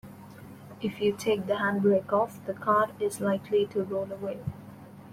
If you take the handbrake off, the car is likely to roll away